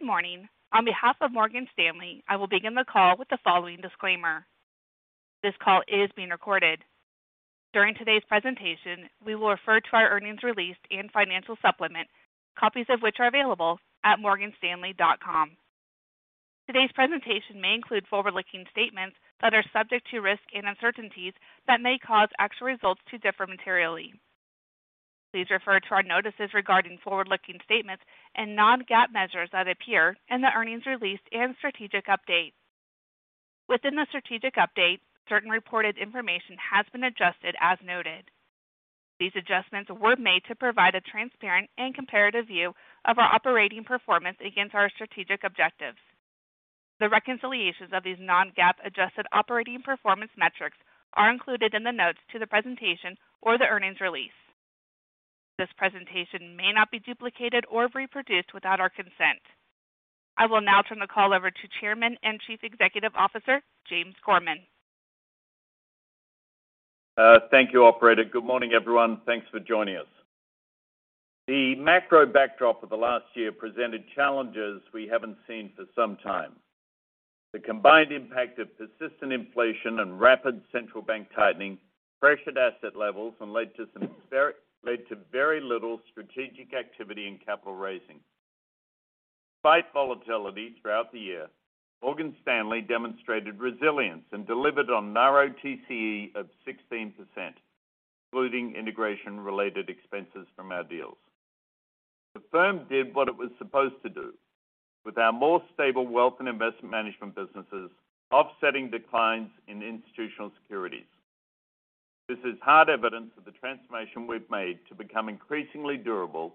Good morning. On behalf of Morgan Stanley, I will begin the call with the following disclaimer. This call is being recorded. During today's presentation, we will refer to our earnings release and financial supplement, copies of which are available at morganstanley.com. Today's presentation may include forward-looking statements that are subject to risks and uncertainties that may cause actual results to differ materially. Please refer to our notices regarding forward-looking statements and non-GAAP measures that appear in the earnings release and strategic update. Within the strategic update, certain reported information has been adjusted as noted. These adjustments were made to provide a transparent and comparative view of our operating performance against our strategic objectives. The reconciliations of these non-GAAP adjusted operating performance metrics are included in the notes to the presentation or the earnings release. This presentation may not be duplicated or reproduced without our consent. I will now turn the call over to Chairman and Chief Executive Officer, James Gorman. Thank you, operator. Good morning, everyone. Thanks for joining us. The macro backdrop of the last year presented challenges we haven't seen for some time. The combined impact of persistent inflation and rapid central bank tightening pressured asset levels and led to very little strategic activity in capital raising. Despite volatility throughout the year, Morgan Stanley demonstrated resilience and delivered on narrow TCE of 16%, excluding integration-related expenses from our deals. The firm did what it was supposed to do with our more stable wealth and investment management businesses offsetting declines in Institutional Securities. This is hard evidence of the transformation we've made to become increasingly durable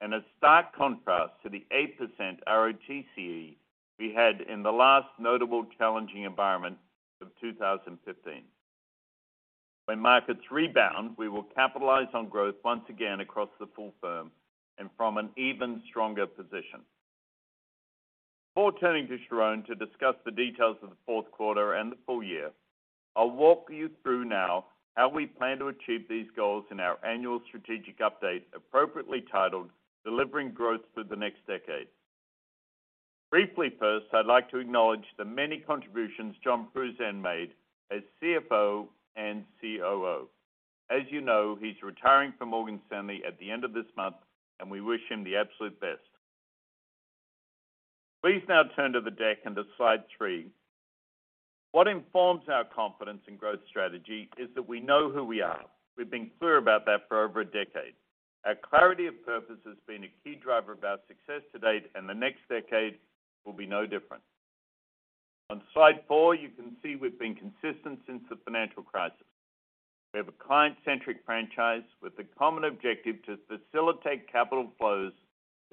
and a stark contrast to the 8% ROTCE we had in the last notable challenging environment of 2015. When markets rebound, we will capitalize on growth once again across the full firm and from an even stronger position. Before turning to Sharon to discuss the details of the fourth quarter and the full-year, I'll walk you through now how we plan to achieve these goals in our annual strategic update, appropriately titled Delivering Growth for the Next Decade. Briefly first, I'd like to acknowledge the many contributions Jon Pruzan made as CFO and COO. As you know, he's retiring from Morgan Stanley at the end of this month, and we wish him the absolute best. Please now turn to the deck under slide three. What informs our confidence in growth strategy is that we know who we are. We've been clear about that for over a decade. Our clarity of purpose has been a key driver of our success to date, and the next decade will be no different. On slide 4, you can see we've been consistent since the financial crisis. We have a client-centric franchise with the common objective to facilitate capital flows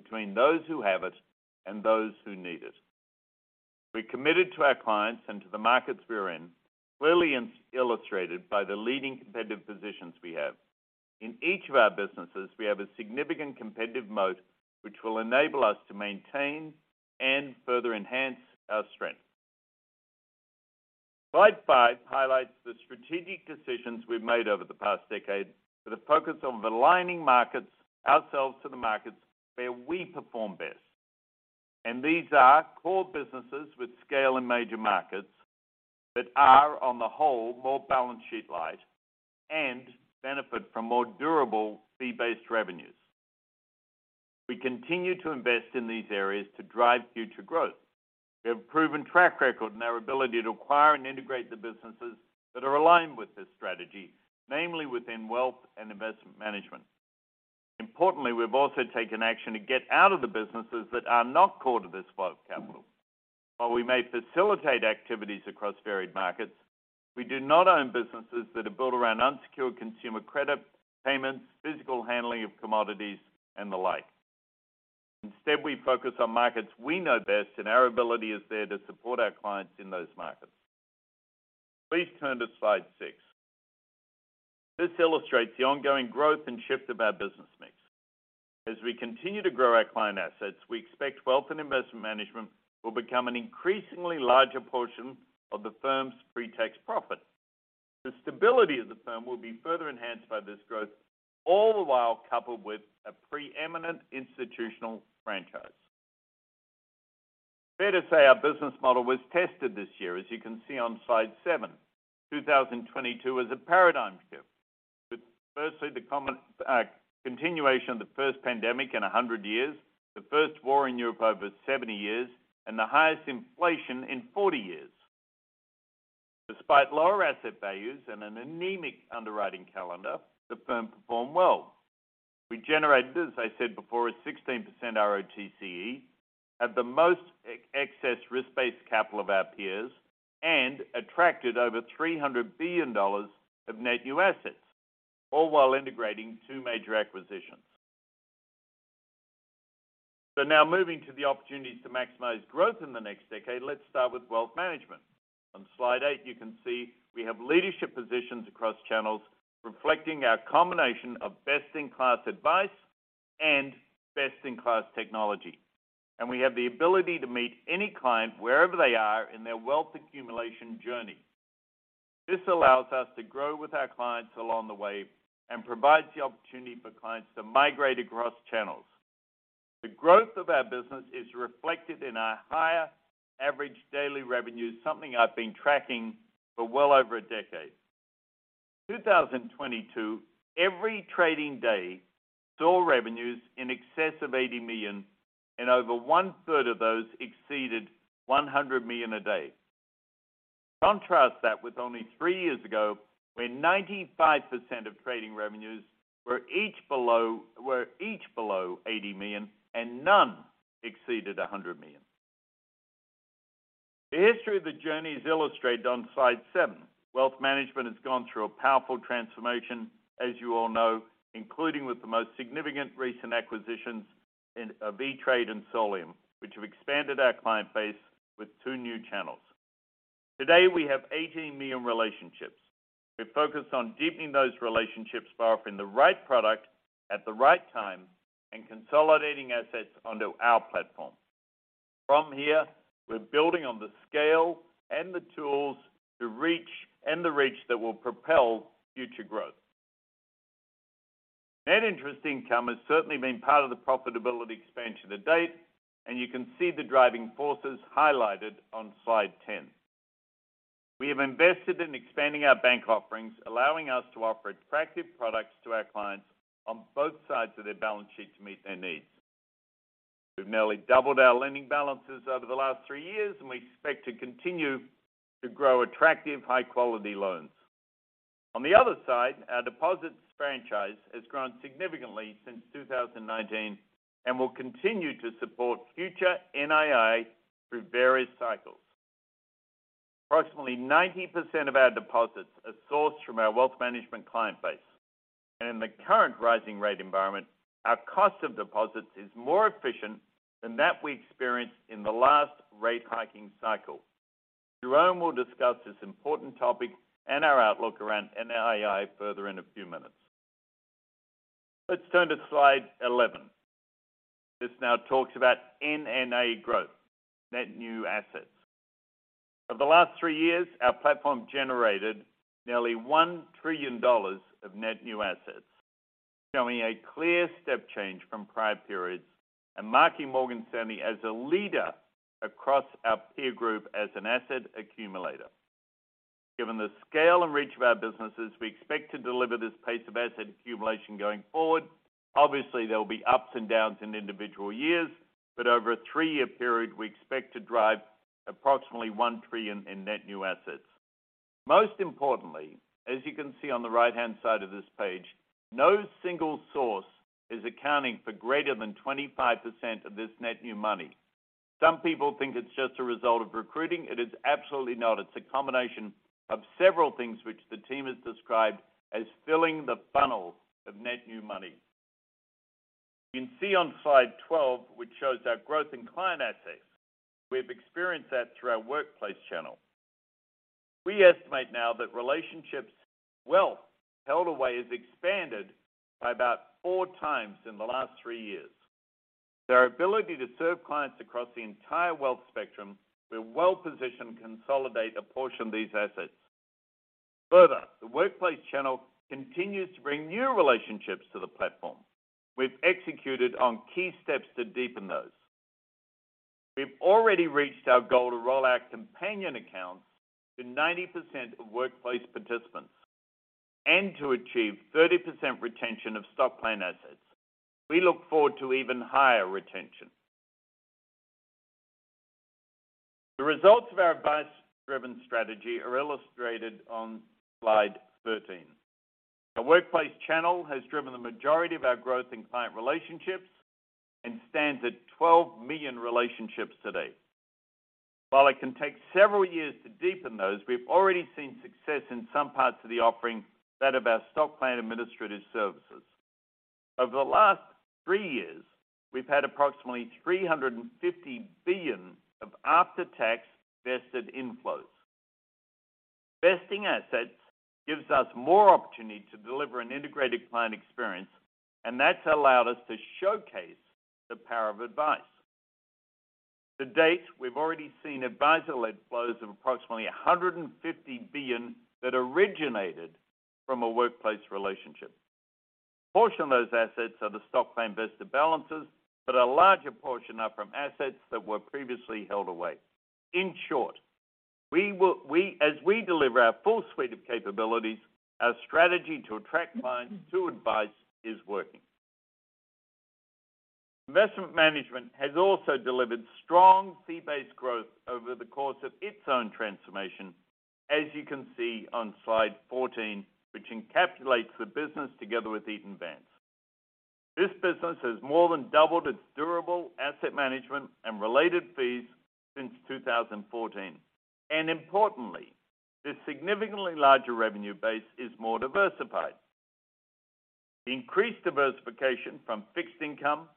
between those who have it and those who need it. We're committed to our clients and to the markets we are in, clearly illustrated by the leading competitive positions we have. In each of our businesses, we have a significant competitive moat, which will enable us to maintain and further enhance our strength. Slide 5 highlights the strategic decisions we've made over the past decade with a focus on aligning markets ourselves to the markets where we perform best. These are core businesses with scale in major markets that are, on the whole, more balance sheet light and benefit from more durable fee-based revenues. We continue to invest in these areas to drive future growth. We have a proven track record in our ability to acquire and integrate the businesses that are aligned with this strategy, namely within wealth and investment management. Importantly, we've also taken action to get out of the businesses that are not core to this flow of capital. While we may facilitate activities across varied markets, we do not own businesses that are built around unsecured consumer credit payments, physical handling of commodities, and the like. Instead, we focus on markets we know best, and our ability is there to support our clients in those markets. Please turn to slide 6. This illustrates the ongoing growth and shift of our business mix. As we continue to grow our client assets, we expect wealth and investment management will become an increasingly larger portion of the firm's pre-tax profit. The stability of the firm will be further enhanced by this growth, all the while coupled with a preeminent institutional franchise. Fair to say our business model was tested this year, as you can see on slide 7. 2022 was a paradigm shift with firstly, the common continuation of the first pandemic in 100 years, the first war in Europe over 70 years, and the highest inflation in 40 years. Despite lower asset values and an anemic underwriting calendar, the firm performed well. We generated, as I said before, a 16% ROTCE, have the most excess risk-based capital of our peers, and attracted over $300 billion of net new assets, all while integrating two major acquisitions. Now moving to the opportunities to maximize growth in the next decade. Let's start with wealth management. On slide 8, you can see we have leadership positions across channels reflecting our combination of best-in-class advice and best-in-class technology. We have the ability to meet any client wherever they are in their wealth accumulation journey. This allows us to grow with our clients along the way and provides the opportunity for clients to migrate across channels. The growth of our business is reflected in our higher average daily revenues, something I've been tracking for well over a decade. 2022, every trading day, saw revenues in excess of $80 million and over 1/3 of those exceeded $100 million a day. Contrast that with only three years ago, when 95% of trading revenues were each below $80 million and none exceeded $100 million. The history of the journey is illustrated on slide 7. Wealth management has gone through a powerful transformation, as you all know, including with the most significant recent acquisitions in E*TRADE and Solium, which have expanded our client base with two new channels. Today, we have 18 million relationships. We're focused on deepening those relationships by offering the right product at the right time and consolidating assets onto our platform. From here, we're building on the scale and the tools to reach, and the reach that will propel future growth. Net interest income has certainly been part of the profitability expansion to date, and you can see the driving forces highlighted on slide 10. We have invested in expanding our bank offerings, allowing us to offer attractive products to our clients on both sides of their balance sheet to meet their needs. We've nearly doubled our lending balances over the last three years, and we expect to continue to grow attractive high-quality loans. On the other side, our deposits franchise has grown significantly since 2019 and will continue to support future NII through various cycles. Approximately 90% of our deposits are sourced from our wealth management client base. In the current rising rate environment, our cost of deposits is more efficient than that we experienced in the last rate hiking cycle. Jerome will discuss this important topic and our outlook around NII further in a few minutes. Let's turn to slide 11. This now talks about NNA growth, net new assets. Over the last three years, our platform generated nearly $1 trillion of net new assets, showing a clear step change from prior periods and marking Morgan Stanley as a leader across our peer group as an asset accumulator. Given the scale and reach of our businesses, we expect to deliver this pace of asset accumulation going forward. Obviously, there will be ups and downs in individual years, but over a three-year period, we expect to drive approximately $1 trillion in net new assets. Most importantly, as you can see on the right-hand side of this page, no single source is accounting for greater than 25% of this net new money. Some people think it's just a result of recruiting. It is absolutely not. It's a combination of several things which the team has described as filling the funnel of net new money. You can see on slide 12, which shows our growth in client assets, we've experienced that through our workplace channel. We estimate now that relationships wealth held away has expanded by about four times in the last three years. With our ability to serve clients across the entire wealth spectrum, we're well-positioned to consolidate a portion of these assets. Further, the workplace channel continues to bring new relationships to the platform. We've executed on key steps to deepen those. We've already reached our goal to roll out companion accounts to 90% of workplace participants and to achieve 30% retention of stock plan assets. We look forward to even higher retention. The results of our advice-driven strategy are illustrated on slide 13. The workplace channel has driven the majority of our growth in client relationships and stands at 12 million relationships today. While it can take several years to deepen those, we've already seen success in some parts of the offering that of our stock plan administrative services. Over the last three years, we've had approximately $350 billion of after-tax vested inflows. Vesting assets gives us more opportunity to deliver an integrated client experience. That's allowed us to showcase the power of advice. To date, we've already seen advisor-led flows of approximately $150 billion that originated from a workplace relationship. A portion of those assets are the stock plan vested balances. A larger portion are from assets that were previously held away. In short, we, as we deliver our full suite of capabilities, our strategy to attract clients to advice is working. Investment management has also delivered strong fee-based growth over the course of its own transformation, as you can see on slide 14, which encapsulates the business together with Eaton Vance. Importantly, this significantly larger revenue base is more diversified. Increased diversification from fixed income,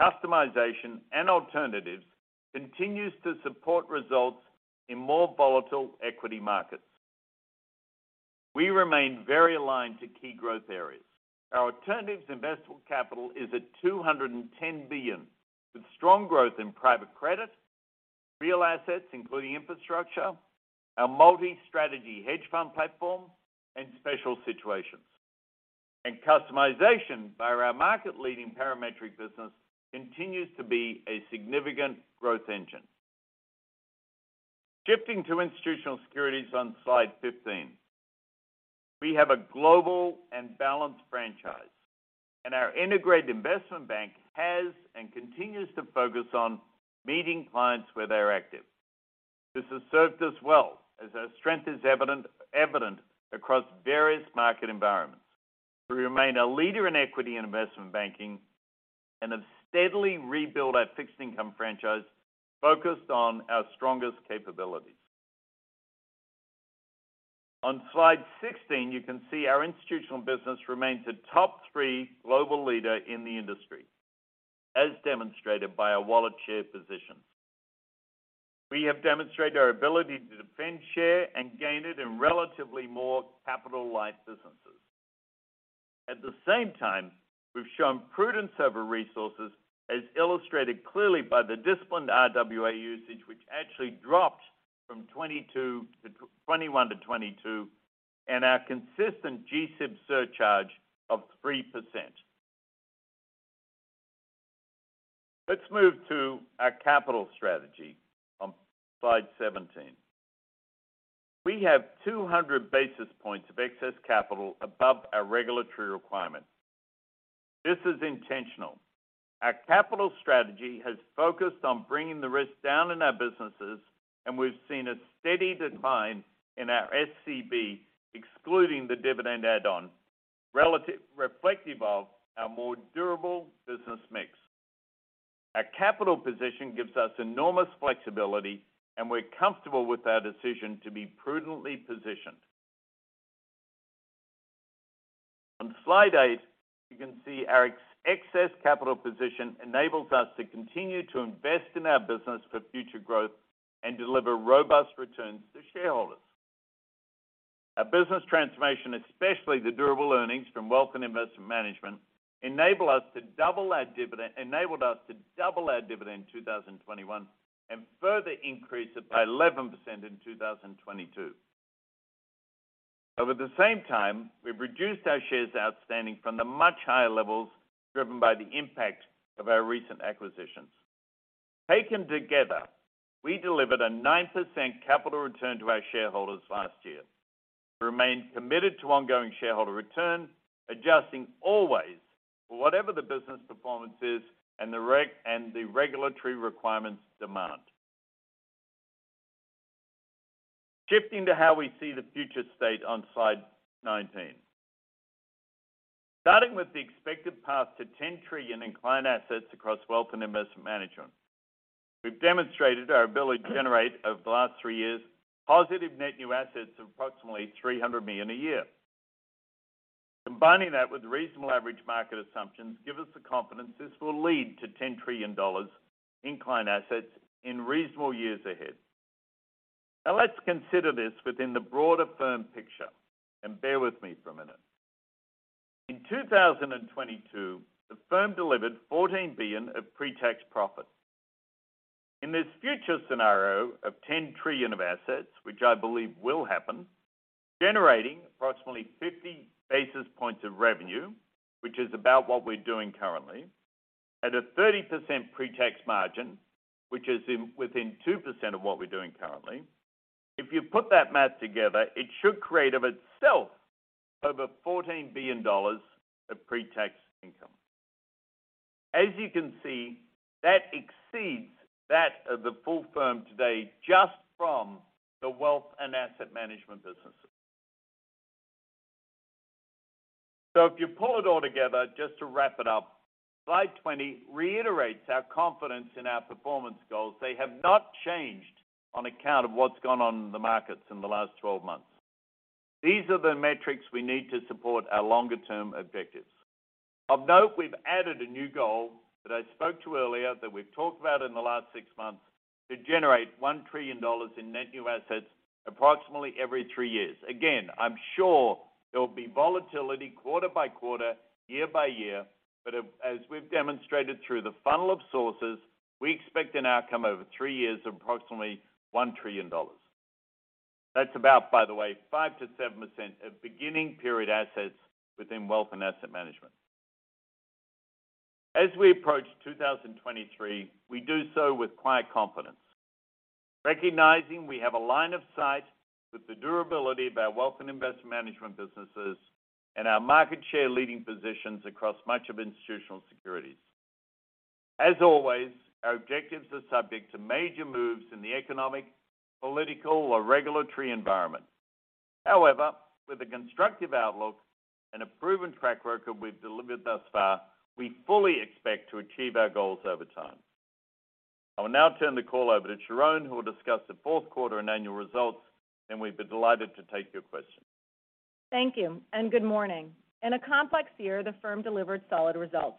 customization, and alternatives continues to support results in more volatile equity markets. We remain very aligned to key growth areas. Our alternatives investable capital is at $210 billion, with strong growth in private credit, real assets, including infrastructure, our multi-strategy hedge fund platform and special situations. Customization by our market-leading Parametric business continues to be a significant growth engine. Shifting to Institutional Securities on slide 15. We have a global and balanced franchise, our integrated investment bank has and continues to focus on meeting clients where they're active. This has served us well as our strength is evident across various market environments. We remain a leader in equity and investment banking and have steadily rebuilt our fixed income franchise focused on our strongest capabilities. On slide 16, you can see our Institutional Securities business remains a top three global leader in the industry, as demonstrated by our wallet share position. We have demonstrated our ability to defend share and gain it in relatively more capital-light businesses. At the same time, we've shown prudence over resources, as illustrated clearly by the disciplined RWA usage, which actually dropped from 2021 to 2022, and our consistent GSIB surcharge of 3%. Let's move to our capital strategy on slide 17. We have 200 basis points of excess capital above our regulatory requirement. This is intentional. Our capital strategy has focused on bringing the risk down in our businesses, and we've seen a steady decline in our SCB, excluding the dividend add-on, reflective of our more durable business mix. Our capital position gives us enormous flexibility, and we're comfortable with our decision to be prudently positioned. On slide 8, you can see our ex-excess capital position enables us to continue to invest in our business for future growth and deliver robust returns to shareholders. Our business transformation, especially the durable earnings from Wealth and Investment Management, enabled us to double our dividend in 2021 and further increase it by 11% in 2022. Over the same time, we've reduced our shares outstanding from the much higher levels driven by the impact of our recent acquisitions. Taken together, we delivered a 9% capital return to our shareholders last year. We remain committed to ongoing shareholder returns, adjusting always for whatever the business performance is and the regulatory requirements demand. Shifting to how we see the future state on slide 19. Starting with the expected path to $10 trillion in client assets across Wealth and Investment Management. We've demonstrated our ability to generate, over the last three years, positive net new assets of approximately $300 million a year. Combining that with reasonable average market assumptions gives us the confidence this will lead to $10 trillion in client assets in reasonable years ahead. Let's consider this within the broader firm picture, and bear with me for a minute. In 2022, the firm delivered $14 billion of pre-tax profits. In this future scenario of $10 trillion of assets, which I believe will happen, generating approximately 50 basis points of revenue, which is about what we're doing currently, at a 30% pre-tax margin, which is within 2% of what we're doing currently. If you put that math together, it should create of itself over $14 billion of pre-tax income. As you can see, that exceeds that of the full firm today, just from the Wealth and Asset Management businesses. If you pull it all together, just to wrap it up, slide 20 reiterates our confidence in our performance goals. They have not changed on account of what's gone on in the markets in the last 12 months. These are the metrics we need to support our longer-term objectives. Of note, we've added a new goal that I spoke to earlier, that we've talked about in the last six months, to generate $1 trillion in net new assets approximately every three years. Again, I'm sure there'll be volatility quarter by quarter, year by year, but as we've demonstrated through the funnel of sources, we expect an outcome over three years of approximately $1 trillion. That's about, by the way, 5%-7% of beginning period assets within Wealth and Asset Management. As we approach 2023, we do so with quiet confidence. Recognizing we have a line of sight with the durability of our Wealth and Investment Management businesses and our market share leading positions across much of Institutional Securities. As always, our objectives are subject to major moves in the economic, political or regulatory environment. With a constructive outlook and a proven track record we've delivered thus far, we fully expect to achieve our goals over time. I will now turn the call over to Sharon, who will discuss the fourth quarter and annual results, and we'd be delighted to take your questions. Thank you and good morning. In a complex year, the firm delivered solid results.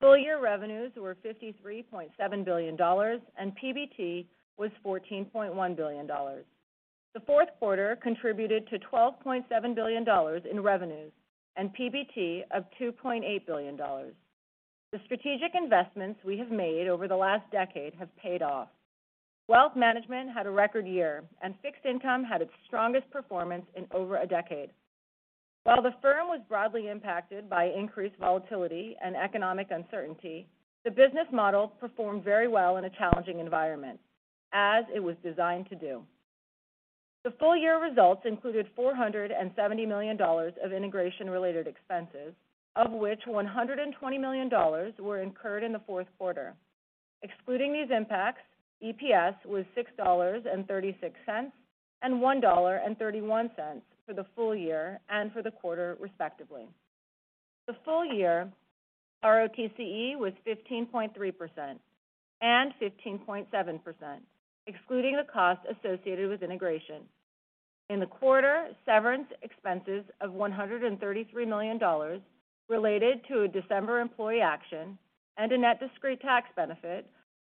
Full-year revenues were $53.7 billion and PBT was $14.1 billion. The fourth quarter contributed to $12.7 billion in revenues and PBT of $2.8 billion. The strategic investments we have made over the last decade have paid off. Wealth management had a record year, and fixed income had its strongest performance in over a decade. While the firm was broadly impacted by increased volatility and economic uncertainty, the business model performed very well in a challenging environment as it was designed to do. The full-year results included $470 million of integration-related expenses, of which $120 million were incurred in the fourth quarter. Excluding these impacts, EPS was $6.36 and $1.31 for the full-year and for the quarter respectively. The full-year ROTCE was 15.3% and 15.7%, excluding the cost associated with integration. In the quarter, severance expenses of $133 million related to a December employee action and a net discrete tax benefit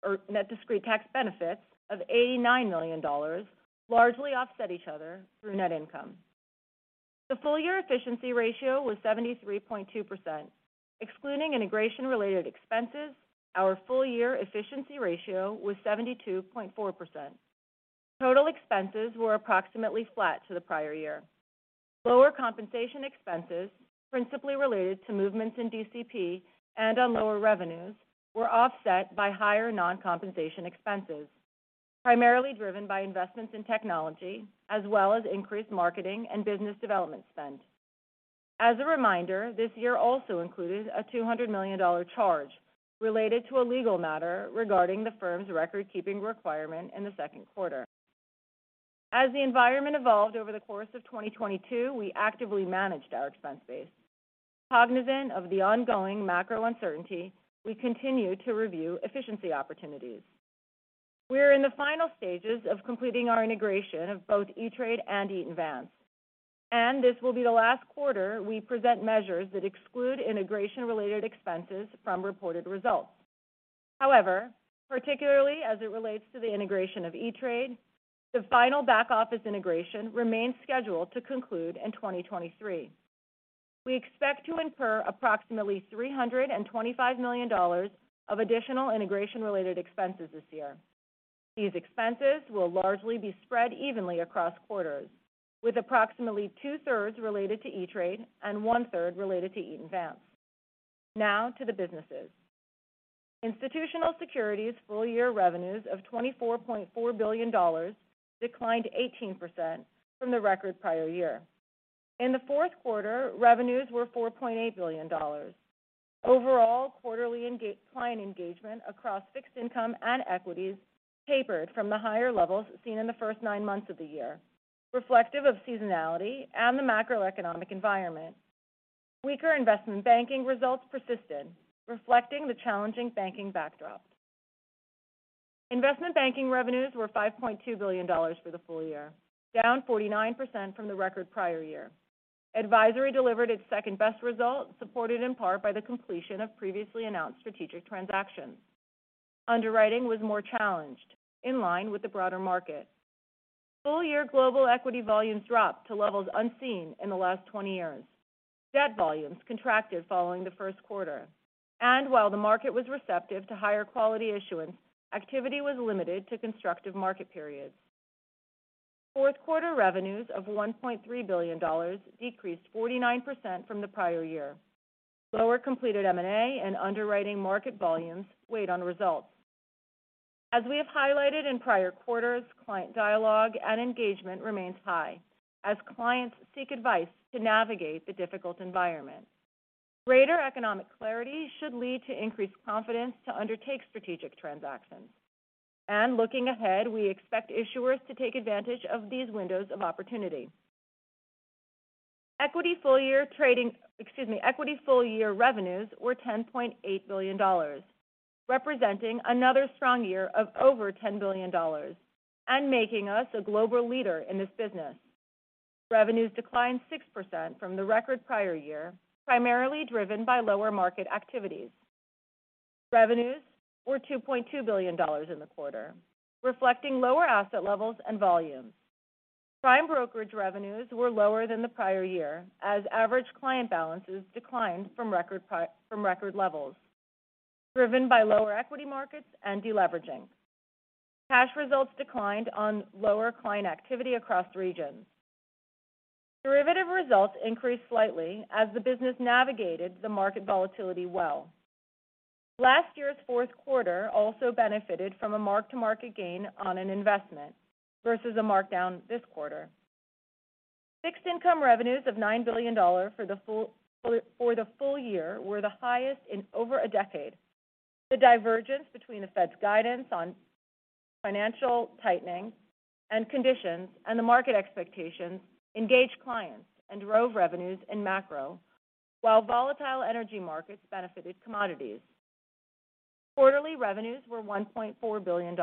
of $89 million largely offset each other through net income. The full-year efficiency ratio was 73.2%. Excluding integration-related expenses, our full-year efficiency ratio was 72.4%. Total expenses were approximately flat to the prior year. Lower compensation expenses, principally related to movements in DCP and on lower revenues, were offset by higher non-compensation expenses, primarily driven by investments in technology as well as increased marketing and business development spend. As a reminder, this year also included a $200 million charge related to a legal matter regarding the firm's record-keeping requirement in the second quarter. As the environment evolved over the course of 2022, we actively managed our expense base. Cognizant of the ongoing macro uncertainty, we continue to review efficiency opportunities. We are in the final stages of completing our integration of both E*TRADE and Eaton Vance, and this will be the last quarter we present measures that exclude integration-related expenses from reported results. However, particularly as it relates to the integration of E*TRADE, the final back-office integration remains scheduled to conclude in 2023. We expect to incur approximately $325 million of additional integration-related expenses this year. These expenses will largely be spread evenly across quarters, with approximately 2/3 related to E*TRADE and 1/3 related to Eaton Vance. To the businesses. Institutional Securities full-year revenues of $24.4 billion declined 18% from the record prior year. In the fourth quarter, revenues were $4.8 billion. Overall, quarterly client engagement across fixed income and equities tapered from the higher levels seen in the first nine months of the year, reflective of seasonality and the macroeconomic environment. Weaker investment banking results persisted, reflecting the challenging banking backdrop. Investment banking revenues were $5.2 billion for the full-year, down 49% from the record prior year. Advisory delivered its second-best result, supported in part by the completion of previously announced strategic transactions. Underwriting was more challenged in line with the broader market. Full-year global equity volumes dropped to levels unseen in the last 20 years. Debt volumes contracted following the first quarter, and while the market was receptive to higher quality issuance, activity was limited to constructive market periods. Fourth quarter revenues of $1.3 billion decreased 49% from the prior year. Lower completed M&A and underwriting market volumes weighed on results. As we have highlighted in prior quarters, client dialogue and engagement remains high as clients seek advice to navigate the difficult environment. Greater economic clarity should lead to increased confidence to undertake strategic transactions. Looking ahead, we expect issuers to take advantage of these windows of opportunity. Equity full-year trading. Excuse me. Equity full-year revenues were $10.8 billion, representing another strong year of over $10 billion and making us a global leader in this business. Revenues declined 6% from the record prior year, primarily driven by lower market activities. Revenues were $2.2 billion in the quarter, reflecting lower asset levels and volumes. Prime brokerage revenues were lower than the prior year as average client balances declined from record from record levels, driven by lower equity markets and deleveraging. Cash results declined on lower client activity across regions. Derivative results increased slightly as the business navigated the market volatility well. Last year's fourth quarter also benefited from a mark-to-market gain on an investment versus a markdown this quarter. Fixed income revenues of $9 billion for the full-year were the highest in over a decade. The divergence between the Fed's guidance on financial tightening and conditions and the market expectations engaged clients and drove revenues in Macro, while volatile energy markets benefited commodities. Quarterly revenues were $1.4 billion.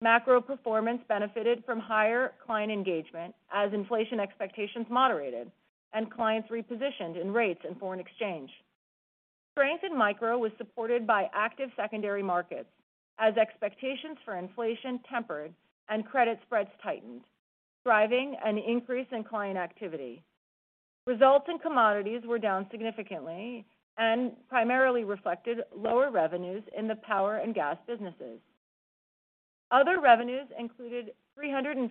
Macro performance benefited from higher client engagement as inflation expectations moderated and clients repositioned in rates and foreign exchange. Strength in Micro was supported by active secondary markets as expectations for inflation tempered and credit spreads tightened, driving an increase in client activity. Results in commodities were down significantly and primarily reflected lower revenues in the power and gas businesses. Other revenues included $356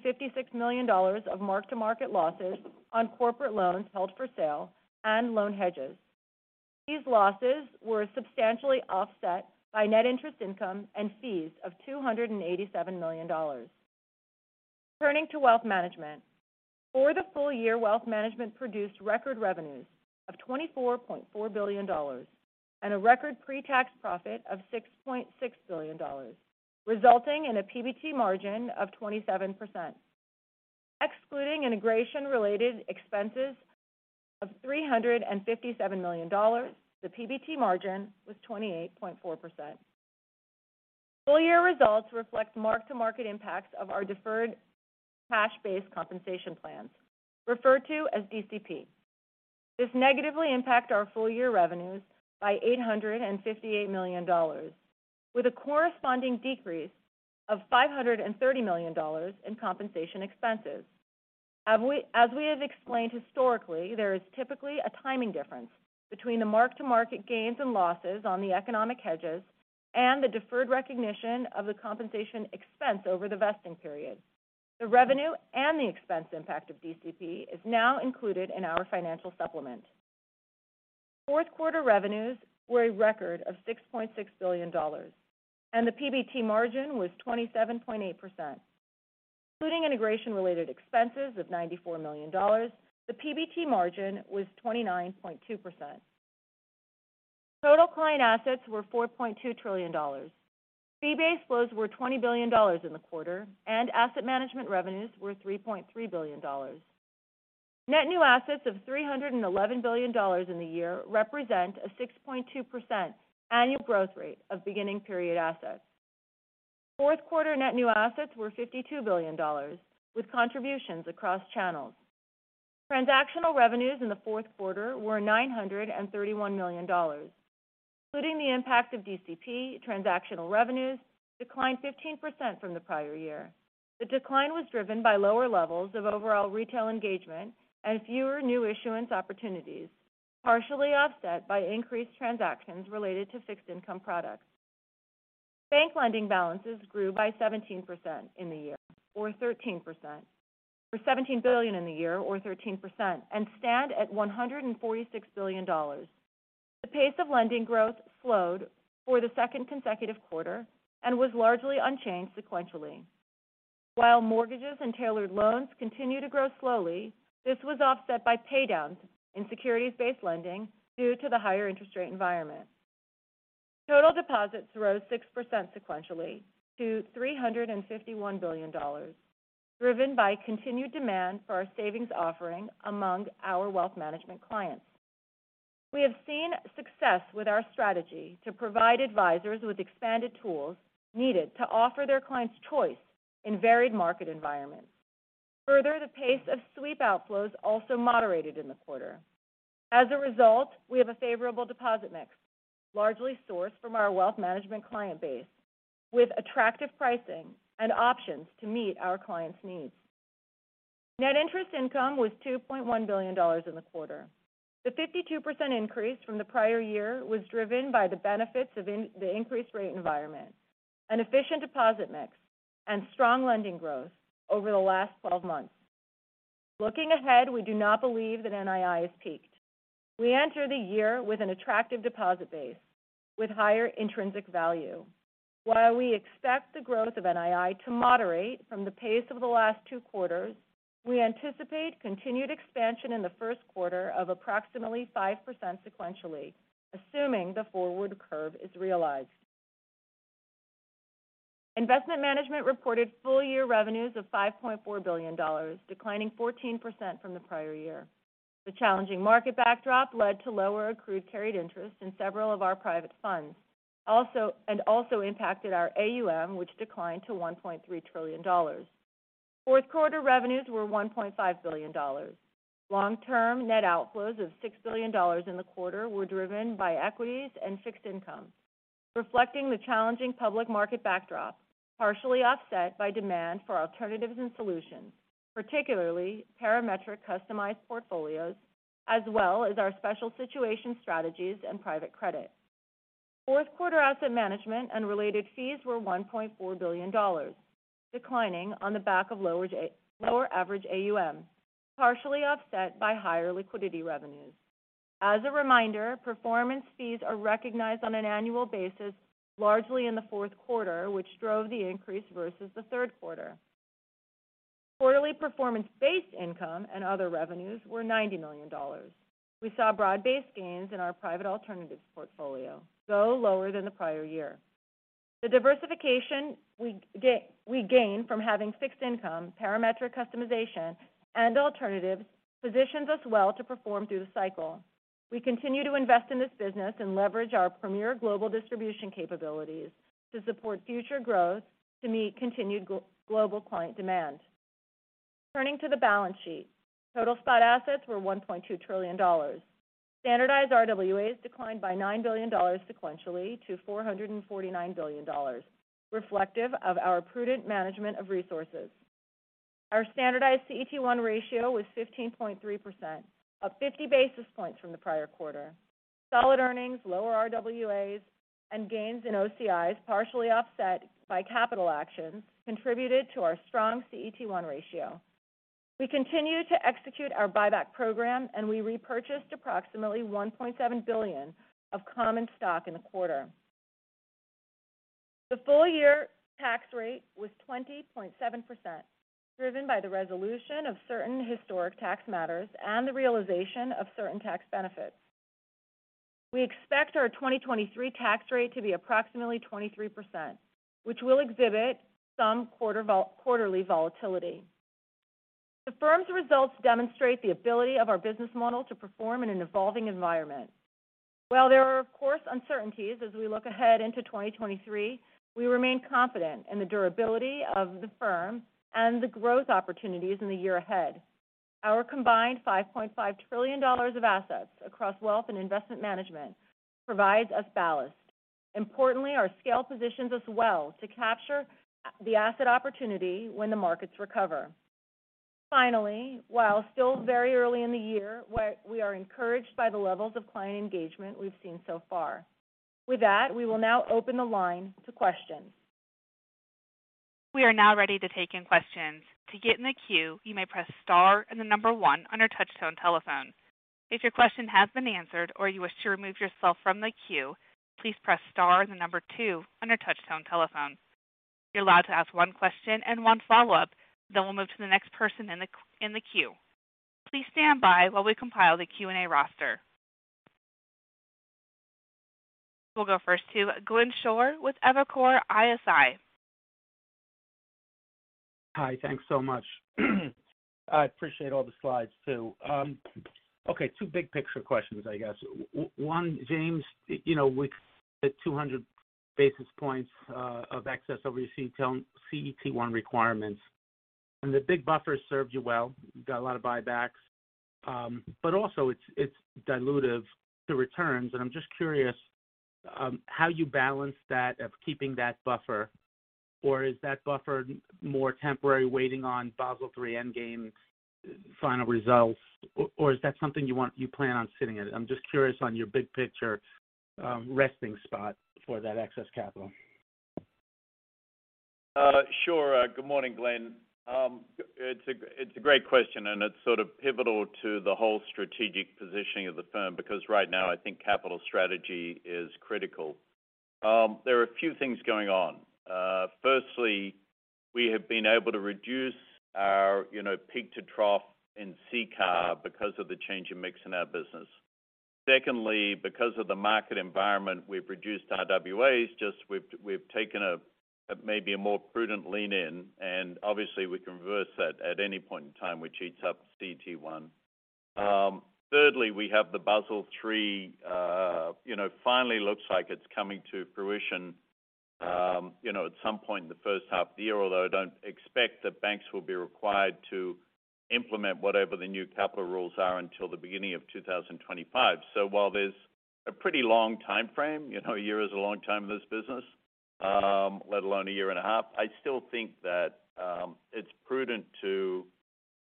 million of mark-to-market losses on corporate loans held for sale and loan hedges. These losses were substantially offset by net interest income and fees of $287 million. Turning to Wealth Management. For the full-year, wealth management produced record revenues of $24.4 billion and a record pre-tax profit of $6.6 billion, resulting in a PBT margin of 27%. Excluding integration-related expenses of $357 million, the PBT margin was 28.4%. Full-year results reflect mark-to-market impacts of our deferred cash-based compensation plans, referred to as DCP. This negatively impact our full-year revenues by $858 million with a corresponding decrease of $530 million in compensation expenses. As we have explained historically, there is typically a timing difference between the mark-to-market gains and losses on the economic hedges and the deferred recognition of the compensation expense over the vesting period. The revenue and the expense impact of DCP is now included in our financial supplement. Fourth quarter revenues were a record of $6.6 billion, and the PBT margin was 27.8%. Including integration-related expenses of $94 million, the PBT margin was 29.2%. Total client assets were $4.2 trillion. Fee-based flows were $20 billion in the quarter, and asset management revenues were $3.3 billion. Net new assets of $311 billion in the year represent a 6.2% annual growth rate of beginning period assets. Fourth quarter net new assets were $52 billion, with contributions across channels. Transactional revenues in the fourth quarter were $931 million. Including the impact of DCP, transactional revenues declined 15% from the prior year. The decline was driven by lower levels of overall retail engagement and fewer new issuance opportunities, partially offset by increased transactions related to fixed income products. Bank lending balances grew by 17% in the year, or 13%. For $17 billion in the year, or 13%, and stand at $146 billion. The pace of lending growth slowed for the second consecutive quarter and was largely unchanged sequentially. While mortgages and tailored loans continue to grow slowly, this was offset by paydowns in securities-based lending due to the higher interest rate environment. Total deposits rose 6% sequentially to $351 billion, driven by continued demand for our savings offering among our wealth management clients. We have seen success with our strategy to provide advisors with expanded tools needed to offer their clients choice in varied market environments. Further, the pace of sweep outflows also moderated in the quarter. As a result, we have a favorable deposit mix, largely sourced from our wealth management client base, with attractive pricing and options to meet our clients' needs. Net Interest Income was $2.1 billion in the quarter. The 52% increase from the prior year was driven by the benefits of the increased rate environment, an efficient deposit mix, and strong lending growth over the last 12 months. Looking ahead, we do not believe that NII has peaked. We enter the year with an attractive deposit base with higher intrinsic value. While we expect the growth of NII to moderate from the pace of the last two quarters, we anticipate continued expansion in the first quarter of approximately 5% sequentially, assuming the forward curve is realized. Investment Management reported full-year revenues of $5.4 billion, declining 14% from the prior year. The challenging market backdrop led to lower accrued carried interest in several of our private funds also, and also impacted our AUM, which declined to $1.3 trillion. Fourth quarter revenues were $1.5 billion. Long-term net outflows of $6 billion in the quarter were driven by equities and fixed income, reflecting the challenging public market backdrop, partially offset by demand for alternatives and solutions, particularly Parametric customized portfolios, as well as our special situation strategies and private credit. Fourth quarter asset management and related fees were $1.4 billion, declining on the back of lower average AUM, partially offset by higher liquidity revenues. As a reminder, performance fees are recognized on an annual basis, largely in the fourth quarter, which drove the increase versus the third quarter. Quarterly performance-based income and other revenues were $90 million. We saw broad-based gains in our private alternatives portfolio, though lower than the prior year. The diversification we gain from having fixed income, Parametric customization, and alternatives positions us well to perform through the cycle. We continue to invest in this business and leverage our premier global distribution capabilities to support future growth to meet continued global client demand. Turning to the balance sheet. Total spot assets were $1.2 trillion. Standardized RWAs declined by $9 billion sequentially to $449 billion, reflective of our prudent management of resources. Our standardized CET1 ratio was 15.3%, up 50 basis points from the prior quarter. Solid earnings, lower RWAs, and gains in OCIs, partially offset by capital actions, contributed to our strong CET1 ratio. We continue to execute our buyback program, and we repurchased approximately $1.7 billion of common stock in the quarter. The full-year tax rate was 20.7%, driven by the resolution of certain historic tax matters and the realization of certain tax benefits. We expect our 2023 tax rate to be approximately 23%, which will exhibit some quarterly volatility. The firm's results demonstrate the ability of our business model to perform in an evolving environment. While there are of course uncertainties as we look ahead into 2023, we remain confident in the durability of the firm and the growth opportunities in the year ahead. Our combined $5.5 trillion of assets across wealth and investment management provides us ballast. Importantly, our scale positions us well to capture the asset opportunity when the markets recover. Finally, while still very early in the year, we are encouraged by the levels of client engagement we've seen so far. We will now open the line to questions. We are now ready to take in questions. To get in the queue, you may press star and the number one on your touchtone telephone. If your question has been answered or you wish to remove yourself from the queue, please press star and the number two on your touchtone telephone. You're allowed to ask one question and one follow-up, then we'll move to the next person in the queue. Please stand by while we compile the Q&A roster. We'll go first to Glenn Schorr with Evercore ISI. Hi. Thanks so much. I appreciate all the slides too. Okay, two big picture questions, I guess. One, James, you know, with the 200 basis points of excess over your CET1 requirements, and the big buffer has served you well, you got a lot of buybacks. But also it's dilutive to returns, and I'm just curious, how you balance that of keeping that buffer. Or is that buffer more temporary waiting on Basel III endgame final results, or is that something you plan on sitting it? I'm just curious on your big picture, resting spot for that excess capital. Sure. Good morning, Glenn. It's a great question, it's sort of pivotal to the whole strategic positioning of the firm because right now I think capital strategy is critical. There are a few things going on. Firstly, we have been able to reduce our, you know, peak to trough in CCAR because of the change in mix in our business. Secondly, because of the market environment, we've reduced our RWAs. Just we've taken a, maybe a more prudent lean in, and obviously we can reverse that at any point in time, which eats up CET1. Thirdly, we have the Basel III, you know, finally looks like it's coming to fruition, you know, at some point in the first half of the year, although I don't expect that banks will be required to implement whatever the new capital rules are until the beginning of 2025. While there's a pretty long timeframe, you know, a year is a long time in this business, let alone a year and a half. I still think that it's prudent to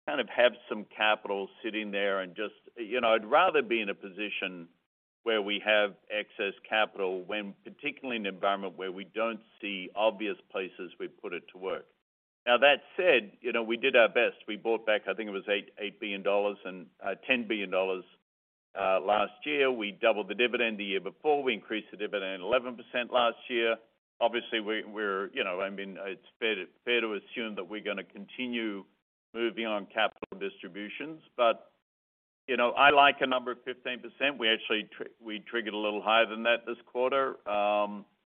kind of have some capital sitting there and just. You know, I'd rather be in a position where we have excess capital when, particularly in an environment where we don't see obvious places we put it to work. That said, you know, we did our best. We bought back, I think it was $8 billion and $10 billion last year. We doubled the dividend the year before. We increased the dividend 11% last year. Obviously, we're, you know, I mean, it's fair to assume that we're gonna continue moving on capital distributions. You know, I like a number of 15%. We actually triggered a little higher than that this quarter.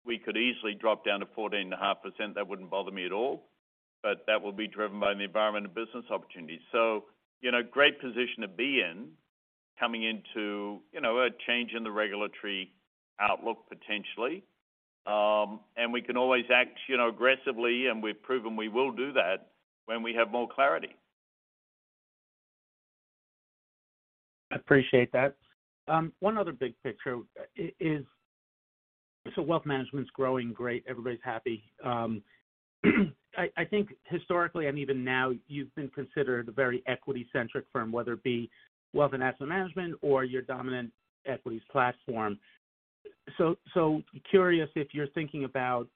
We could easily drop down to 14.5%. That wouldn't bother me at all. That will be driven by the environment and business opportunities. You know, great position to be in coming into, you know, a change in the regulatory outlook, potentially. We can always act, you know, aggressively, and we've proven we will do that when we have more clarity. I appreciate that. One other big picture is wealth management's growing great, everybody's happy. I think historically and even now you've been considered a very equity-centric firm, whether it be wealth and asset management or your dominant equities platform. Curious if you're thinking about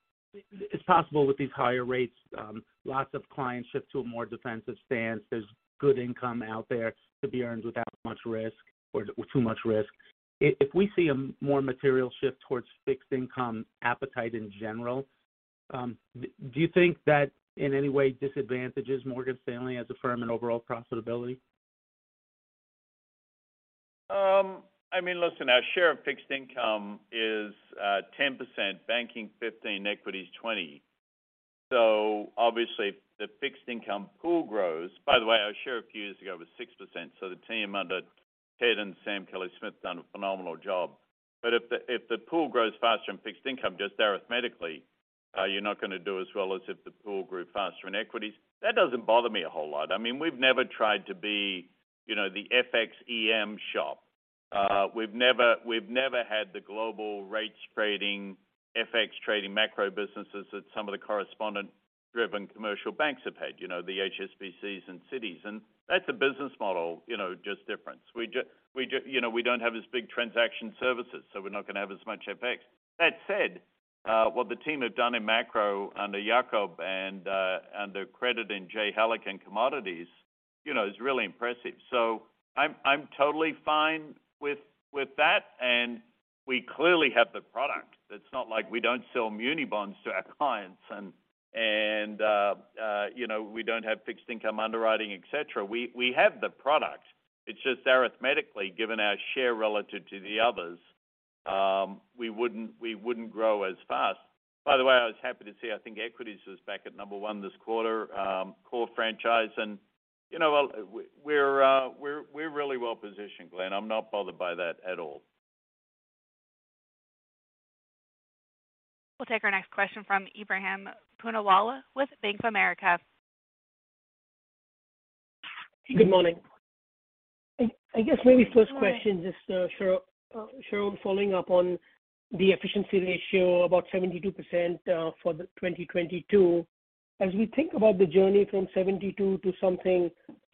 it's possible with these higher rates, lots of clients shift to a more defensive stance. There's good income out there to be earned without much risk or too much risk. If we see a more material shift towards fixed income appetite in general, do you think that in any way disadvantages Morgan Stanley as a firm in overall profitability? I mean, listen, our share of fixed income is 10%, banking 15%, equity is 20%. Obviously if the fixed income pool grows. By the way, our share a few years ago was 6%, so the team under Ted and Sam Kellie-Smith done a phenomenal job. If the pool grows faster in fixed income, just arithmetically, you're not gonna do as well as if the pool grew faster in equities. That doesn't bother me a whole lot. I mean, we've never tried to be, you know, the FX/EM shop. We've never had the global rates trading, FX trading, macro businesses that some of the correspondent-driven commercial banks have had. You know, the HSBCs and Citis. That's a business model, you know, just difference. We, you know, we don't have as big transaction services, so we're not gonna have as much FX. That said, what the team have done in macro under Matthew Hornbach and under credit, and Kow Atta-Mensah in commodities, you know, is really impressive. I'm totally fine with that, and we clearly have the product. It's not like we don't sell muni bonds to our clients and, you know, we don't have fixed income underwriting, et cetera. We have the product. It's just arithmetically, given our share relative to the others, we wouldn't grow as fast. By the way, I was happy to see, I think equities was back at number one this quarter, core franchise and, you know, we're really well positioned, Glenn Schorr. I'm not bothered by that at all. We'll take our next question from Ebrahim Poonawala with Bank of America. Good morning. I guess maybe first question? Good morning. Just Sharon, following up on the efficiency ratio, about 72% for the 2022. As we think about the journey from 72% to something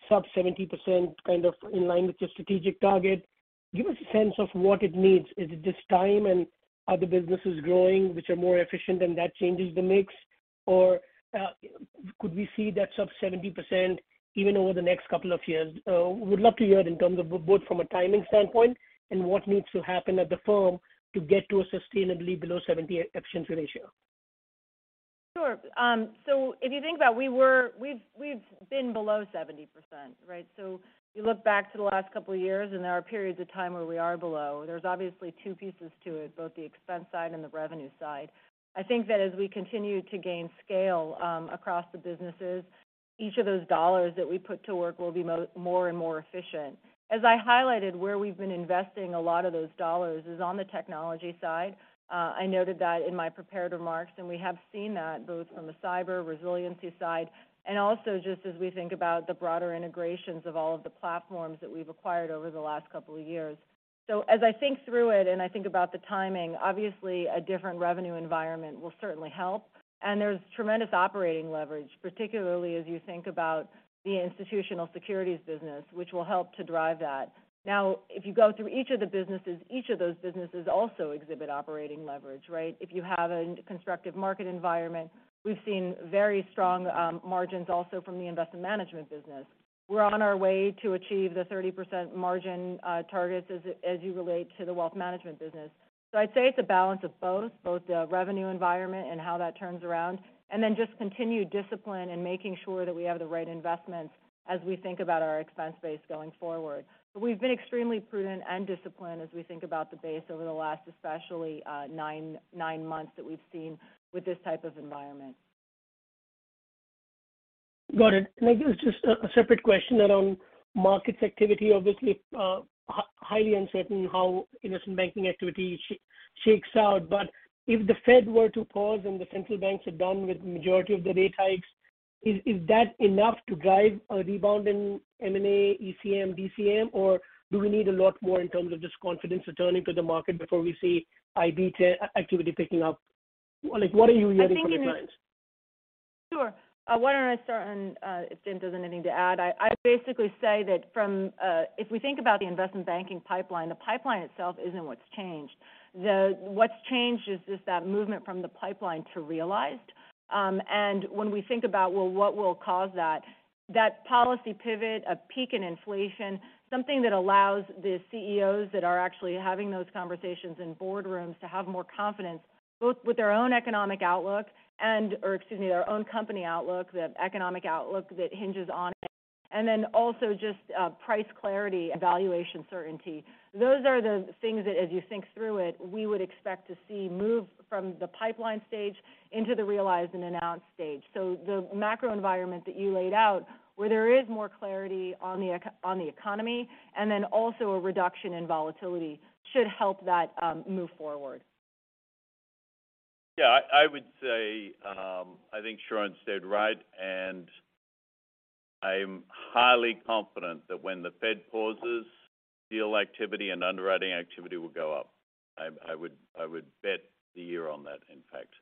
sub 70%, kind of in line with your strategic target, give us a sense of what it needs. Is it just time and are the businesses growing, which are more efficient and that changes the mix? Could we see that sub 70% even over the next couple of years? Would love to hear it in terms of both from a timing standpoint and what needs to happen at the firm to get to a sustainably below 70% efficiency ratio. Sure. If you think about we've been below 70%, right? You look back to the last couple of years, and there are periods of time where we are below. There's obviously two pieces to it, both the expense side and the revenue side. I think that as we continue to gain scale across the businesses, each of those dollars that we put to work will be more and more efficient. As I highlighted, where we've been investing a lot of those dollars is on the technology side. I noted that in my prepared remarks, and we have seen that both from a cyber resiliency side and also just as we think about the broader integrations of all of the platforms that we've acquired over the last couple of years. As I think through it and I think about the timing, obviously a different revenue environment will certainly help. There's tremendous operating leverage, particularly as you think about the Institutional Securities business, which will help to drive that. If you go through each of the businesses, each of those businesses also exhibit operating leverage, right? If you have a constructive market environment, we've seen very strong margins also from the Investment Management business. We're on our way to achieve the 30% margin targets as you relate to the Wealth Management business. I'd say it's a balance of both the revenue environment and how that turns around, and then just continued discipline in making sure that we have the right investments as we think about our expense base going forward. We've been extremely prudent and disciplined as we think about the base over the last especially, nine months that we've seen with this type of environment. Got it. I guess just a separate question around markets activity. Obviously, highly uncertain how investment banking activity shakes out. If the Fed were to pause and the central banks are done with the majority of the rate hikes, is that enough to drive a rebound in M&A, ECM, DCM, or do we need a lot more in terms of just confidence returning to the market before we see IB activity picking up? Like, what are you hearing from your clients? I think it. Sure. Why don't I start, if Dan doesn't have anything to add. I basically say that from, if we think about the investment banking pipeline, the pipeline itself isn't what's changed. What's changed is just that movement from the pipeline to realized. When we think about, well, what will cause that policy pivot, a peak in inflation, something that allows the CEOs that are actually having those conversations in boardrooms to have more confidence, both with their own economic outlook or excuse me, their own company outlook, the economic outlook that hinges on it, and then also just price clarity and valuation certainty. Those are the things that as you think through it, we would expect to see move from the pipeline stage into the realized and announced stage. The macro environment that you laid out, where there is more clarity on the economy and then also a reduction in volatility should help that, move forward. Yeah, I would say, I think Sharon said right. I'm highly confident that when the Fed pauses, deal activity and underwriting activity will go up. I would bet the year on that, in fact.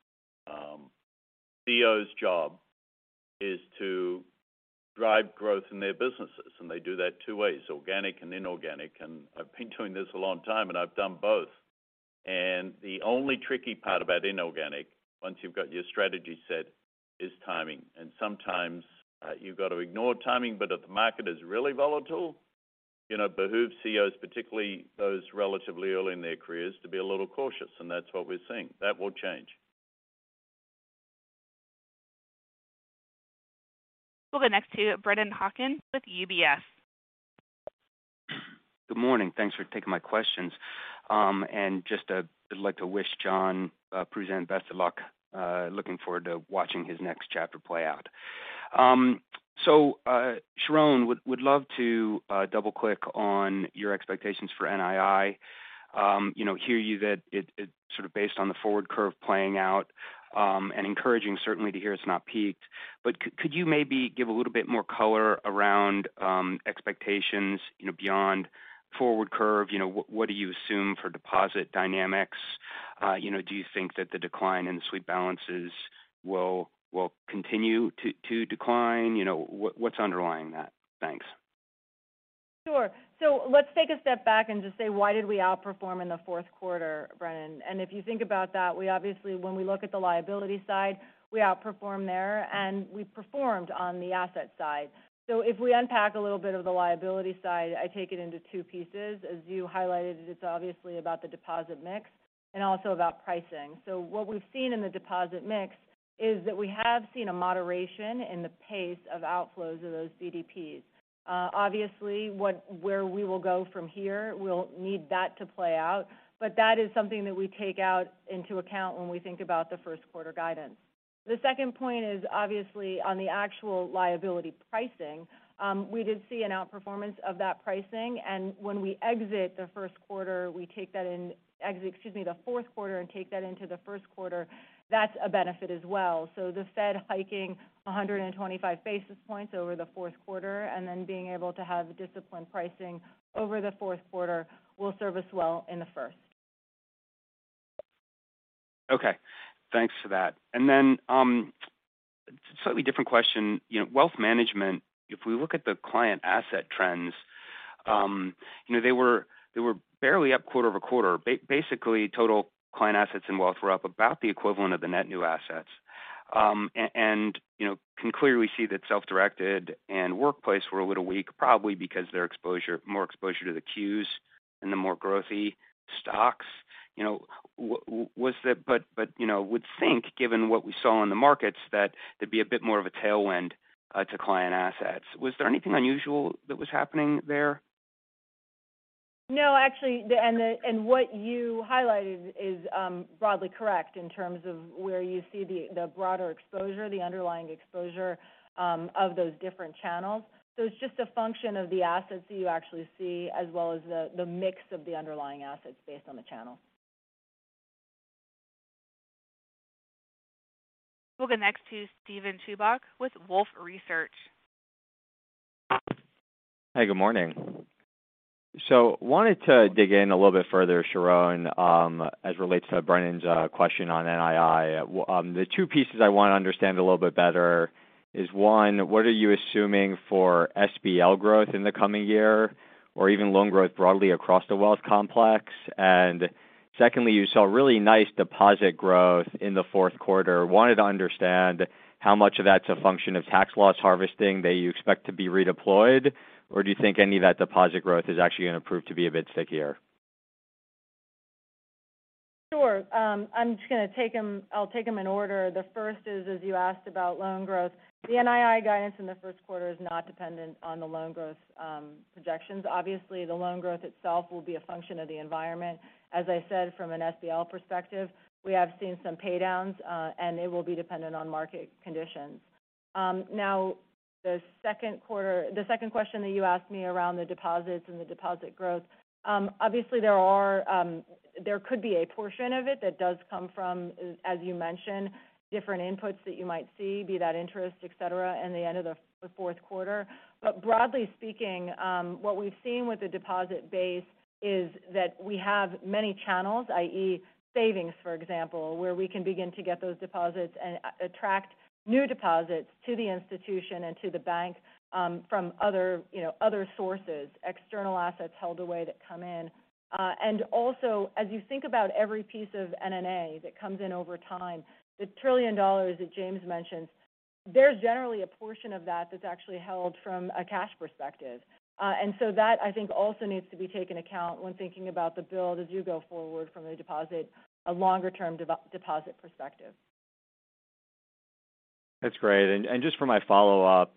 CEO's job is to drive growth in their businesses, and they do that two ways, organic and inorganic. I've been doing this a long time, and I've done both. The only tricky part about inorganic, once you've got your strategy set, is timing. Sometimes, you've got to ignore timing. If the market is really volatile, you know, behoove CEOs, particularly those relatively early in their careers, to be a little cautious, and that's what we're seeing. That will change. We'll go next to Brennan Hawken with UBS. Good morning. Thanks for taking my questions. Just I'd like to wish Jonathan Pruzan best of luck. Looking forward to watching his next chapter play out. Sharon, would love to double-click on your expectations for NII. You know, hear you that it sort of based on the forward curve playing out, and encouraging certainly to hear it's not peaked. Could you maybe give a little bit more color around expectations, you know, beyond forward curve? You know, what do you assume for deposit dynamics? You know, do you think that the decline in sweep balances will continue to decline? You know, what's underlying that? Thanks. Sure. Let's take a step back and just say, why did we outperform in the fourth quarter, Brennan? If you think about that, we outperform there, and we performed on the asset side. If we unpack a little bit of the liability side, I take it into two pieces. As you highlighted, it's obviously about the deposit mix and also about pricing. What we've seen in the deposit mix is that we have seen a moderation in the pace of outflows of those CDPs. Obviously, where we will go from here, we'll need that to play out, but that is something that we take out into account when we think about the first quarter guidance. The second point is obviously on the actual liability pricing. We did see an outperformance of that pricing, and when we exit the first quarter, we take that the fourth quarter and take that into the first quarter, that's a benefit as well. The Fed hiking 125 basis points over the fourth quarter and then being able to have disciplined pricing over the fourth quarter will serve us well in the first. Okay. Thanks for that. Slightly different question. You know, wealth management, if we look at the client asset trends, you know, they were barely up quarter-over-quarter. Basically, total client assets and wealth were up about the equivalent of the net new assets. You know, can clearly see that self-directed and workplace were a little weak, probably because their more exposure to the Qs and the more growthy stocks. You know, but, you know, would think, given what we saw in the markets, that there'd be a bit more of a tailwind to client assets. Was there anything unusual that was happening there? No, actually, what you highlighted is broadly correct in terms of where you see the broader exposure, the underlying exposure of those different channels. It's just a function of the assets that you actually see as well as the mix of the underlying assets based on the channel. We'll go next to Steven Chubak with Wolfe Research. Hey, good morning. Wanted to dig in a little bit further, Sharon, as relates to Brennan's question on NII. The two pieces I want to understand a little bit better is one, what are you assuming for SBL growth in the coming year or even loan growth broadly across the wealth complex? Secondly, you saw really nice deposit growth in the fourth quarter. Wanted to understand how much of that's a function of tax loss harvesting that you expect to be redeployed, or do you think any of that deposit growth is actually going to prove to be a bit stickier? Sure. I'll take them in order. The first is, as you asked about loan growth. The NII guidance in the first quarter is not dependent on the loan growth projections. Obviously, the loan growth itself will be a function of the environment. As I said, from an SBL perspective, we have seen some pay downs, and it will be dependent on market conditions. Now the second question that you asked me around the deposits and the deposit growth, obviously there are, there could be a portion of it that does come from, as you mentioned, different inputs that you might see, be that interest, et cetera, in the end of the fourth quarter. Broadly speaking, what we've seen with the deposit base is that we have many channels, i.e., savings, for example, where we can begin to get those deposits and attract new deposits to the institution and to the bank, from other, you know, other sources, external assets held away that come in. Also, as you think about every piece of NNA that comes in over time, the $1 trillion that James Gorman mentioned, there's generally a portion of that that's actually held from a cash perspective. That I think also needs to be taken account when thinking about the build as you go forward from a longer-term deposit perspective. That's great. Just for my follow-up,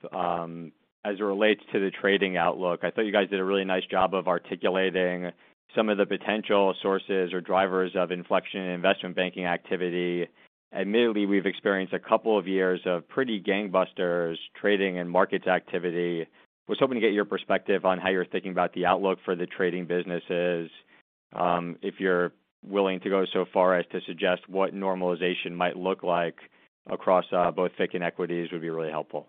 as it relates to the trading outlook, I thought you guys did a really nice job of articulating some of the potential sources or drivers of inflection in investment banking activity. Admittedly, we've experienced a couple of years of pretty gangbusters trading and markets activity. Was hoping to get your perspective on how you're thinking about the outlook for the trading businesses. If you're willing to go so far as to suggest what normalization might look like across both FICC and equities would be really helpful.